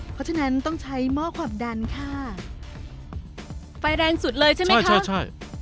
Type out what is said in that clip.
เพราะฉะนั้นต้องใช้หม้อความดันค่ะไฟแรงสุดเลยใช่ไหมคะใช่